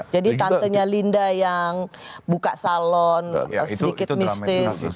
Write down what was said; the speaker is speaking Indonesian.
jadi tantenya linda yang buka salon sedikit mistis